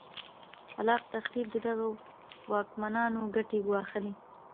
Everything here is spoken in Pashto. خلا ق تخریب د دغو واکمنانو ګټې ګواښلې.